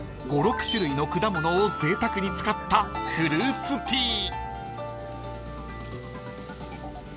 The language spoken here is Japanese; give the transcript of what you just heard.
［５６種類の果物をぜいたくに使ったフルーツティー］